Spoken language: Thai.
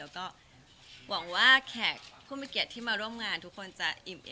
ก็หวังว่าแขกผู้มีเกษที่มาร่วมงานทุกคนจะอิ่มเอ็ม